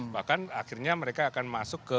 bahkan akhirnya mereka akan masuk ke